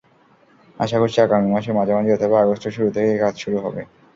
আশা করছি, আগামী মাসের মাঝামাঝি অথবা আগস্টের শুরু থেকেই কাজ শুরু হবে।